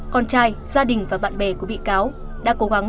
con trai gia đình và bạn bè của bị cáo đã cố gắng